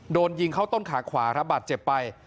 โดนยิงเข้าต้นขาขวารับบาดเจ็บไป